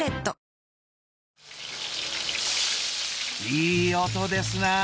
いい音ですな！